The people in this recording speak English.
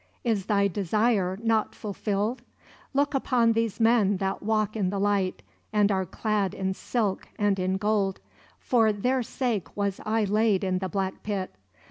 Is thy desire not fulfilled? Look upon these men that walk in the light and are clad in silk and in gold: for their sake was I laid in the black pit.